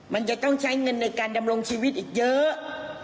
มันจะต้องใช้เงินในการดำรงชีวิตอีกเยอะ